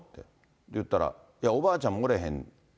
言ったら、いや、おばあちゃんもおれへん。